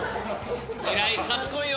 偉い。